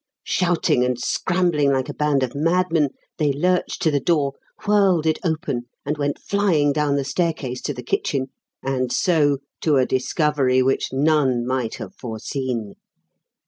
Shouting and scrambling like a band of madmen, they lurched to the door, whirled it open, and went flying down the staircase to the kitchen and so to a discovery which none might have foreseen.